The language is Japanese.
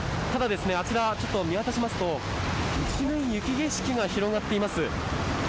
ただ、あちらを見渡しますと一面、雪景色が広がっています。